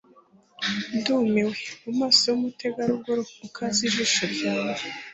ndumiwe mumaso yumutegarugori ukaze, ijisho ryanjye